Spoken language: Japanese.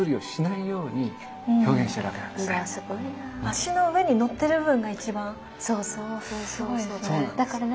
足の上にのってる部分が一番すごいですね。